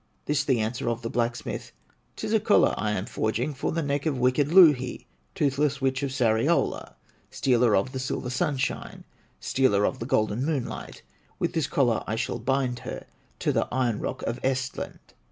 This the answer of the blacksmith: "'Tis a collar I am forging For the neck of wicked Louhi, Toothless witch of Sariola, Stealer of the silver sunshine, Stealer of the golden moonlight; With this collar I shall bind her To the iron rock of Ehstland!"